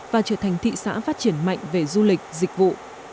và trở thành thị xã phát triển mạnh về du lịch dịch vụ